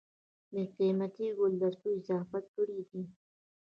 دَ قېمتي ګلدستو اضافه کړې ده